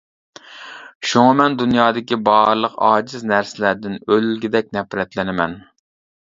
شۇڭا مەن دۇنيادىكى بارلىق ئاجىز نەرسىلەردىن ئۆلگۈدەك نەپرەتلىنىمەن.